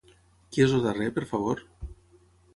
Qui és el darrer, per favor?